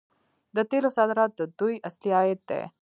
د تیلو صادرات د دوی اصلي عاید دی.